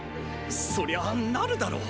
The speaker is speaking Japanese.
そりゃなるだろ。